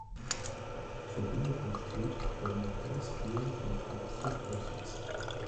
Die Verbindung entsteht, wenn man helles Bier dem Tageslicht aussetzt.